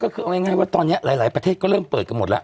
ก็คือเอาง่ายว่าตอนนี้หลายประเทศก็เริ่มเปิดกันหมดแล้ว